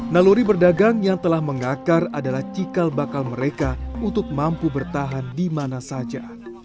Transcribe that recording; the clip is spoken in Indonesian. naluri berdagang yang telah mengakar adalah cikal bakal mereka untuk mampu bertahan di mana saja